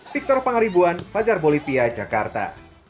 victor pangaribuan fajar bolivia jakarta